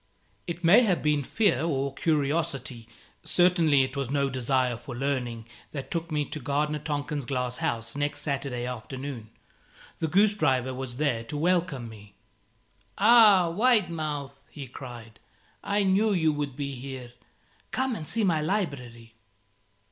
It may have been fear or curiosity, certainly it was no desire for learning, that took me to Gardener Tonken's glass house next Saturday afternoon. The goose driver was there to welcome me. "Ah, wide mouth," he cried; "I knew you would be here. Come and see my library."